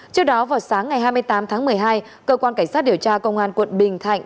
trước đó vào sáng ngày hai mươi tám tháng một mươi hai cơ quan cảnh sát điều tra công an quận bình thạnh